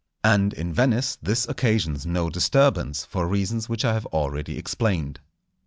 And in Venice this occasions no disturbance, for reasons which I have already explained.